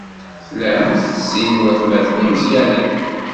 Tlamt sin n waytmaten imeẓyanen.